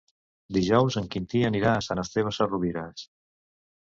Dijous en Quintí anirà a Sant Esteve Sesrovires.